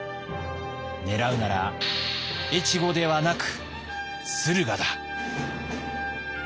狙うなら越後ではなく駿河だ。